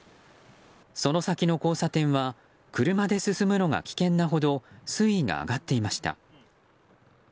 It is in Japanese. その先の交差点は車で進むのが危険なほど水位が上がっていました。